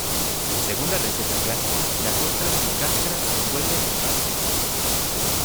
Según la receta clásica, las ostras sin cáscara se envuelven en panceta.